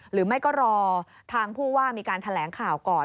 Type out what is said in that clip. หรือไม่ก็รอทางผู้ว่ามีการแถลงข่าวก่อน